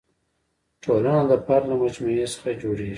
ټولنه د فرد له مجموعې څخه جوړېږي.